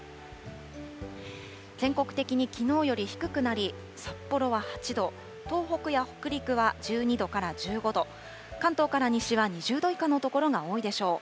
全国的にきのうより低くなり、札幌は８度、東北や北陸は１２度から１５度、関東から西は２０度以下の所が多いでしょう。